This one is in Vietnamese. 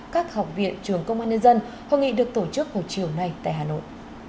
các học viện trường công an nhân dân hội nghị được tổ chức vào chiều nay tại hà nội